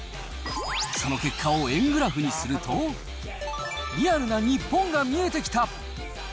その結果を円グラフにすると、リアルな日本が見えてきた。